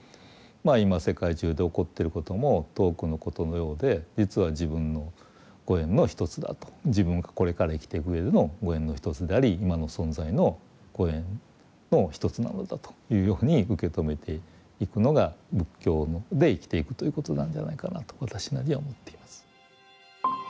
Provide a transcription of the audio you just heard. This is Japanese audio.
まあ今世界中で起こっていることも遠くのことのようで実は自分のご縁の一つだと自分がこれから生きていくうえでのご縁の一つであり今の存在のご縁の一つなのだというように受け止めていくのが仏教で生きていくということなんじゃないかなと私なりには思っています。